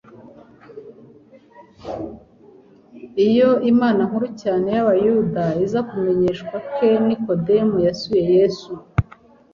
Iyo inama nkuru cyane y'Abayuda iza kumenyeshwa ke Nikodemu yasuye Yesu,